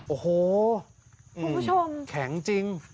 โอ้โหคุณผู้ชมแข็งจริง